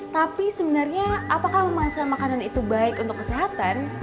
tapi sebenarnya apakah memasukkan makanan itu baik untuk kesehatan